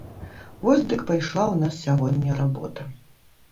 Вось дык пайшла ў нас сягоння работа!